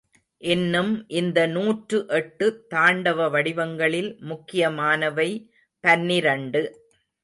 இன்னும் இந்த நூற்று எட்டு தாண்டவ வடிவங்களில் முக்கியமானவை பன்னிரண்டு.